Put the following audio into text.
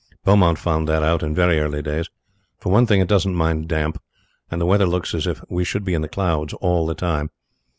Beaumont found that out in very early days. For one thing it doesn't mind damp, and the weather looks as if we should be in the clouds all the time.